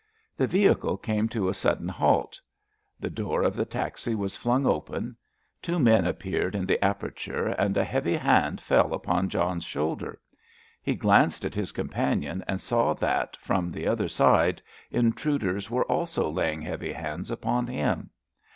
The vehicle came to a sudden halt; the door of the taxi was flung open; two men appeared in the aperture, and a heavy hand fell upon John's shoulder. He glanced at his companion, and saw that, from the other side, intruders were also laying heavy hands upon him.